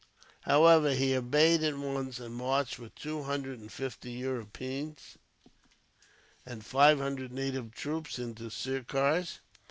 However, he obeyed at once; and marched, with two hundred and fifty Europeans and five hundred native troops, into the Sirkars.